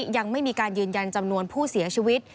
ยังไม่มีการยืนยันจำนวนผู้เสียชีวิต